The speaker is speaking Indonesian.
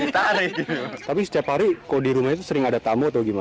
tapi setiap hari kok di rumah itu sering ada tamu atau gimana